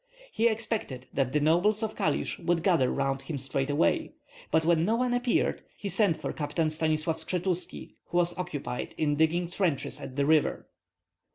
He expected that the nobles of Kalisk would gather round him straightway; but when no one appeared he sent for Captain Stanislav Skshetuski, who was occupied in digging trenches at the river.